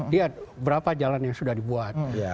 lihat berapa jalan yang sudah dibuat